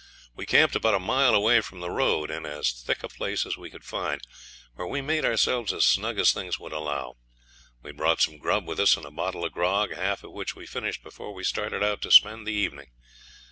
We camped about a mile away from the road, in as thick a place as we could find, where we made ourselves as snug as things would allow. We had brought some grub with us and a bottle of grog, half of which we finished before we started out to spend the evening.